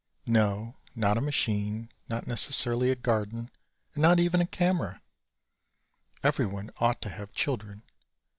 No, not a machine, not necessarily a garden and not even a camera. Everyone ought to have children.